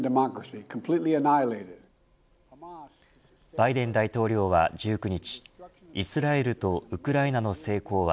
バイデン大統領は１９日イスラエルとウクライナの成功は